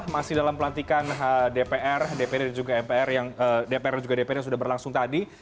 masih dalam pelantikan dpr dpd dpr dan juga dpd yang sudah berlangsung tadi